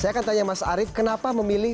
saya akan tanya mas arief kenapa memilih